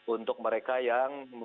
untuk mereka yang